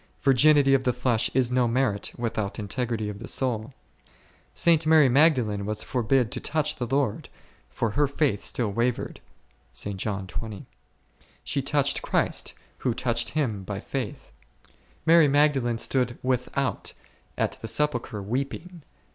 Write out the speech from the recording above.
Virginity of the flesh is no merit, without integrity of the soul. St. Mary Magdalene was forbid to touch the Lord, for her faith still wavered 1 ; she toucheth Christ, who toucheth Him by faith. 1 St. John xx. o o 8 Mary Magdalene stood without at the sepulchre weeping.